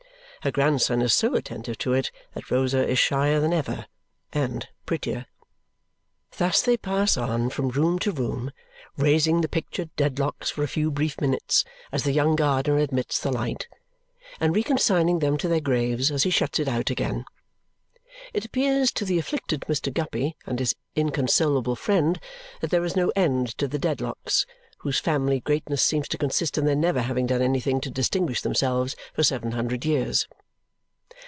Her grandson is so attentive to it that Rosa is shyer than ever and prettier. Thus they pass on from room to room, raising the pictured Dedlocks for a few brief minutes as the young gardener admits the light, and reconsigning them to their graves as he shuts it out again. It appears to the afflicted Mr. Guppy and his inconsolable friend that there is no end to the Dedlocks, whose family greatness seems to consist in their never having done anything to distinguish themselves for seven hundred years.